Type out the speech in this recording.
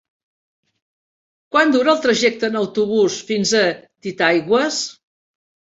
Quant dura el trajecte en autobús fins a Titaigües?